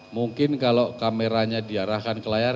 mungkin kalau kameranya diarahkan ke layar